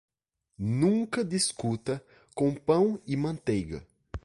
Nunca discuta com pão e manteiga.